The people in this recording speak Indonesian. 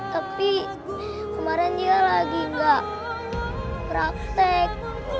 tapi kemarin dia lagi gak praktek